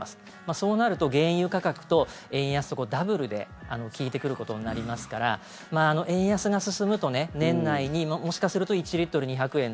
そうなると原油価格と円安とダブルで効いてくることになりますから円安が進むと年内にもしかすると１リットル２００円